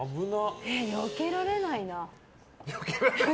よけられないな。